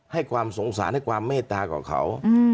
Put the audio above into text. ให้ความสงสารให้ความเมตตากว่าเขา